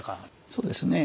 そうですね。